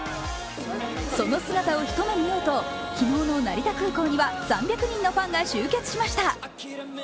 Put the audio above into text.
その姿を一目見ようと昨日の成田空港には３００人のファンが集結しました。